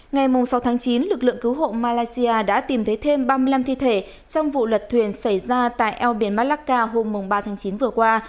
ngày sáu chín lực lượng cứu hộ malaysia đã tìm thấy thêm ba mươi năm thi thể trong vụ lật thuyền xảy ra tại eo biển malacca hôm ba tháng chín vừa qua